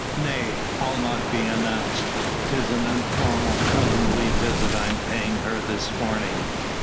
Nay! I'll not be announced. 'Tis an informal cousinly visit I am paying her this morning."